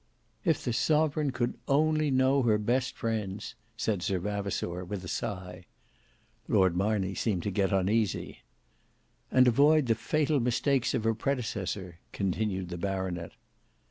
"If the sovereign could only know her best friends," said Sir Vavasour, with a sigh. Lord Marney seemed to get uneasy. "And avoid the fatal mistakes of her predecessor," continued the baronet.